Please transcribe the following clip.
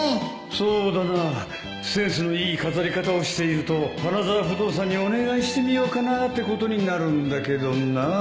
そうだなセンスのいい飾り方をしていると花沢不動産にお願いしてみようかなってことになるんだけどなあ